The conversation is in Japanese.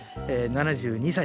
７２歳？